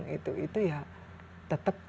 itu ya tetap